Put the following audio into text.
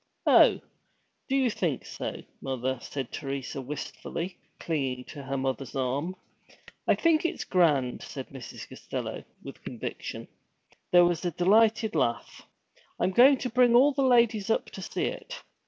'Oh, do you think so, mother?' said Teresa wistfully, clinging to her mother's arm. 'I think it's grand!' said Mrs. Costello, with conviction. There was a delighted laugh. 'I'm going to bring all the ladies up to see it.'